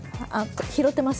拾ってます。